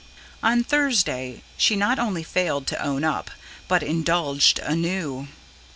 On Thursday she not only failed to own up, but indulged anew.